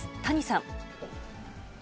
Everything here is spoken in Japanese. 谷さん。